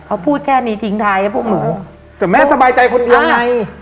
เขาพูดแค่นี้ทิ้งท้ายให้พวกหนูแต่แม่สบายใจคนเดียวไง